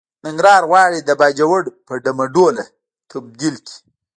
ننګرهار غواړي د باجوړ په ډمه ډوله تبديل کړي.